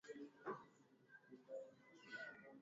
Kinga kwa wanyama dhidi ya ugonjwa wa majimoyo